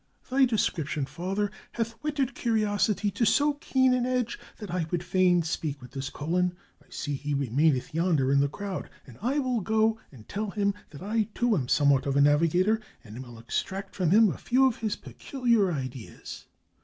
" Thy description, father, hath whetted curiosity to so keen an edge that I would fain speak with this Colon. I see he remaineth yonder in the crowd, and I will go and tell him that I, too, am somewhat of a navigator, and will extract from him a few of his peculiar ideas."